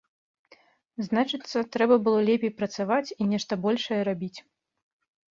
Значыцца, трэба было лепей працаваць і нешта большае рабіць.